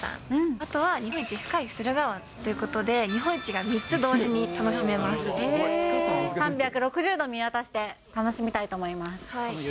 あとは日本一深い駿河湾ということで、日本一が３つ同時に楽しめ３６０度見渡して、楽しみたいと思います。